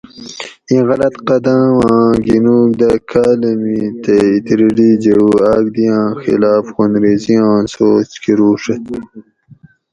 ایں غلط قدم آۤں گِنوگ دہ کاۤلمی تے ایتریٹی جوؤ آگ دی آۤں خلاف خونریزی آں سوچ کروڛت